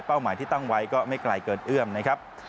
หมายที่ตั้งไว้ก็ไม่ไกลเกินเอื้อมนะครับ